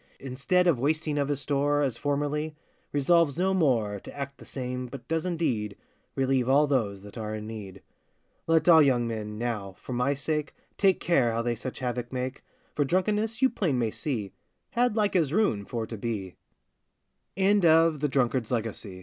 Instead of wasting of his store, As formerly, resolves no more To act the same, but does indeed Relieve all those that are in need. Let all young men now, for my sake, Take care how they such havoc make; For drunkenness, you plain may see, Had like his ruin fo